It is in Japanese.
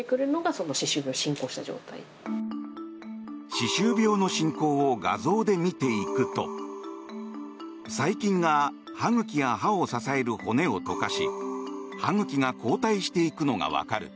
歯周病の進行を画像で見ていくと細菌が歯茎や歯を支える骨を溶かし歯茎が後退していくのがわかる。